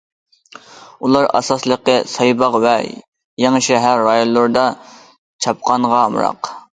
ئۇلار ئاساسلىقى سايباغ ۋە يېڭىشەھەر رايونلىرىدا چاپقانغا ئامراق.